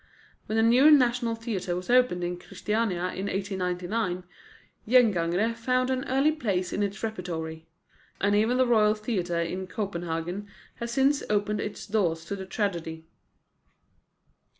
When the new National Theatre was opened in Christiania in 1899, Gengangere found an early place in its repertory; and even the Royal Theatre in Copenhagen has since opened its doors to the tragedy.